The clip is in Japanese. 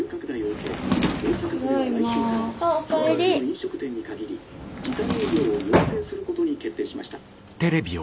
「飲食店に限り時短営業を要請することに決定しました。